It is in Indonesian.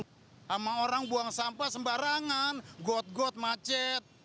sama orang buang sampah sembarangan got got macet